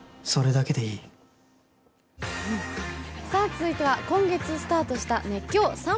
続いては、今月スタートした「熱狂！